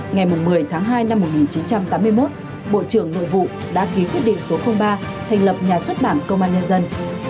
ngày một mươi tháng hai năm một nghìn chín trăm tám mươi một bộ trưởng nội vụ đã ký quyết định số ba thành lập nhà xuất bản công an nhân dân